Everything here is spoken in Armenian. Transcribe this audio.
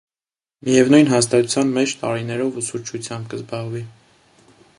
Միեւնոյն հաստատութեան մէջ տարիներով ուսուցչութեամբ կը զբաղի։